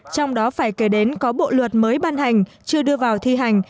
trong đó phải kể đến có bộ luật mới ban hành chưa đưa vào thi hành